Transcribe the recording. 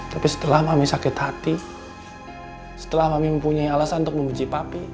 tapi setelah mami sakit hati setelah mami mempunyai alasan untuk membenci papi